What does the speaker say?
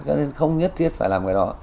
cho nên không nhất tiết phải làm cái đó